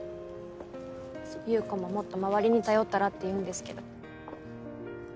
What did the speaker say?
優子ももっと周りに頼ったらって言うんですけど。